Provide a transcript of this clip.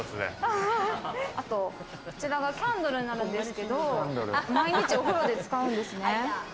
こちらがキャンドルになるんですけど毎日お風呂で使うんですね。